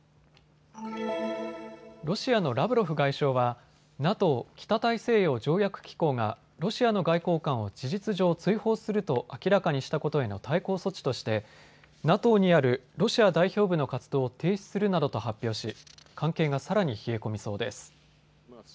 ロシアのラブロフ外相はＮＡＴＯ・北大西洋条約機構がロシアの外交官を事実上、追放すると明らかにしたことへの対抗措置としてＮＡＴＯにあるロシア代表部の活動を停止するなどと発表し関係がさらに冷え込みそうです。